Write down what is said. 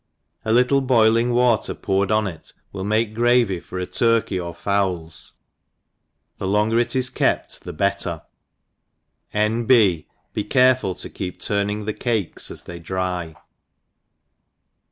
A little boiling water poured on it will make gravy for ft turkey or fowls^ the longer it is kept the bet* tef > N. B. Be careful to keep turning the cakes as they dry.